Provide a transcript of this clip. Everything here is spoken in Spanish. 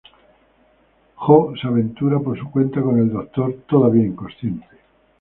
Jo se aventura por su cuenta con el Doctor todavía inconsciente.